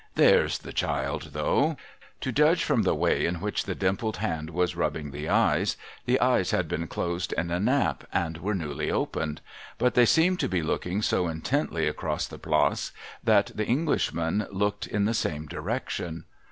'There's the child, thougli.' To judge from the way in which the dimpled hand was rubbing the eyes, the eyes had been closed in a nap, and were newly opened. But they seemed to be looking so intently across the Place, that the Englishman looked in the same direction.